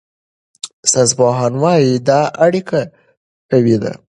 ساینسپوهان وايي دا اړیکه قوي ده.